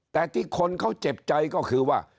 แต่ที่คนเขาเจ็บใจก็คือว่า